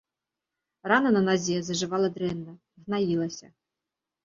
Рана на назе зажывала дрэнна, гнаілася.